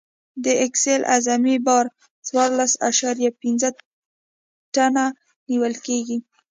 د اکسل اعظمي بار څوارلس اعشاریه پنځه ټنه نیول کیږي